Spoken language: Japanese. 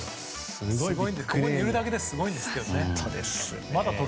ここにいるだけですごいんですけどね。